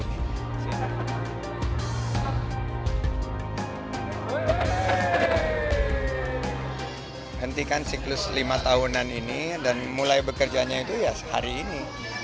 kami akan segera kembali bersama sandiaga udo dalam kupas tuntas sandi dan masa depan demokrasi